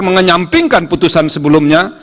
mengenyampingkan putusan sebelumnya